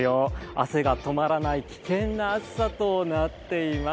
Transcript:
汗が止まらない危険な暑さとなっています。